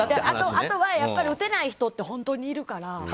あとは打てない人って本当にいるから。